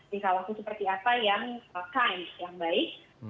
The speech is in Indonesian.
tingkah laku seperti apa yang baik